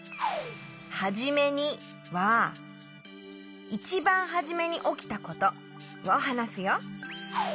「はじめに」はいちばんはじめにおきたことをはなすよ。